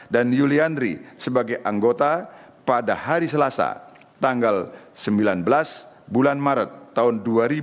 dan yuli andri sebagai anggota pada hari selasa tanggal sembilan belas bulan maret tahun dua ribu dua puluh empat